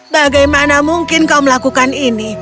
bagaimana mungkin kau melakukan ini